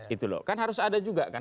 itu loh kan harus ada juga kan